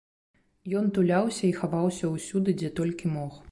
Ён туляўся і хаваўся ўсюды, дзе толькі мог.